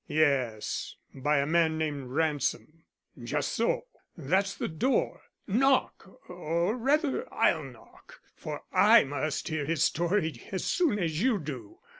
"Yes, by a man named Ransom." "Just so. That's the door. Knock or, rather, I'll knock, for I must hear his story as soon as you do.